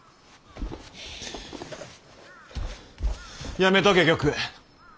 やめとけ玉栄。